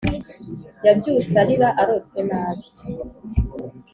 Yabyutse arira arose nabi